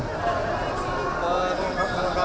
kalau ngomongin seri saja sih